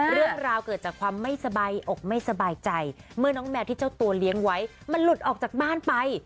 เรื่องราวเกิดจากความไม่สบายอกไม่สบายใจเมื่อน้องแมวที่เจ้าตัวเลี้ยงไว้มันหลุดออกจากบ้านไป